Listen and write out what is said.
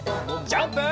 ジャンプ！